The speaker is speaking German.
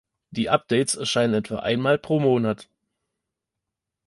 Die Updates erscheinen etwa einmal pro Monat.